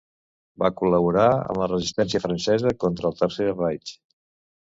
Va col·laborar amb la Resistència francesa contra el Tercer Reich.